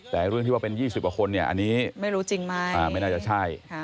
แต่เรื่องที่ว่าเป็น๒๐กว่าคนอันนี้ไม่น่าจะใช่